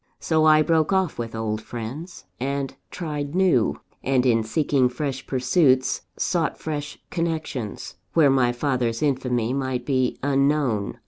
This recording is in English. So I broke off with old friends, and tried new; and, in seeking fresh pursuits, sought fresh connections, where my father's infamy might be unknown.